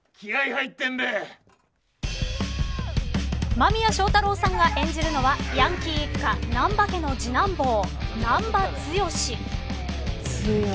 間宮祥太朗さんが演じるのはヤンキー一家難破家の次男坊、難破剛。